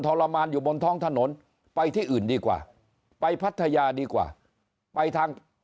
ทรมานอยู่บนท้องถนนไปที่อื่นดีกว่าไปพัทยาดีกว่าไปทาง